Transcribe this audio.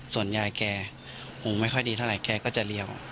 ส่วนยายแกคงไม่ค่อยดีเท่าไหร่แกก็จะเรียว